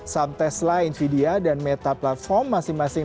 saham tesla nvidia dan saham pertumbuhan mega cap lainnya